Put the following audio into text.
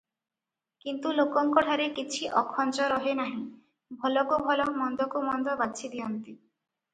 କିନ୍ତୁ ଲୋକଙ୍କଠାରେ କିଛି ଅଖଞ୍ଜ ରହେ ନାହିଁ, ଭଲକୁ ଭଲ, ମନ୍ଦକୁ ମନ୍ଦ, ବାଛିଦିଅନ୍ତି ।